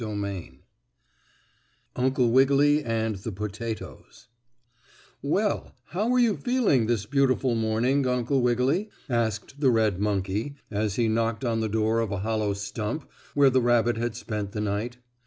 STORY XXI UNCLE WIGGILY AND THE POTATOES "Well, how are you feeling this beautiful morning, Uncle Wiggily?" asked the red monkey, as he knocked on the door of a hollow stump where the rabbit had spent the night.